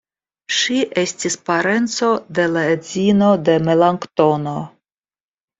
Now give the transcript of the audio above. Ŝi estis parenco de la edzino de Melanktono.